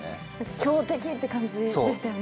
強敵っていう感じでしたよね。